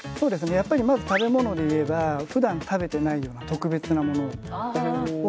やっぱりまず食べ物で言えばふだん食べてないような特別なものをあげるっていう。